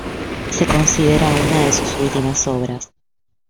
Se considera una de sus últimas obras.